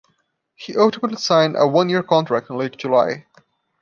He ultimately signed a one-year contract in late July.